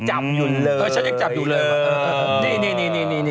ฉันยังจับอยู่เลย